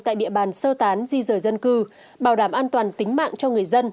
tại địa bàn sơ tán di rời dân cư bảo đảm an toàn tính mạng cho người dân